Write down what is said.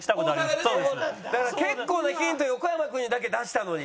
だから結構なヒント横山君にだけ出したのに。